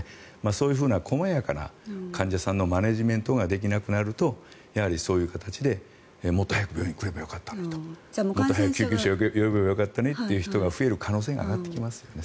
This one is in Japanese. そういうふうな細やかな患者さんへのマネジメントができなくなるとそういう形でもっと早く病院に来ればよかったともっと早く救急車を呼べばよかったねという方が増える可能性が出てきますよね。